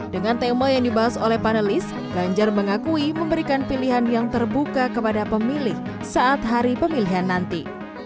dengan tema yang dibahas oleh panelis ganjar mengakui memberikan pilihan yang terbuka kepada pemilih saat hari pemilihan nanti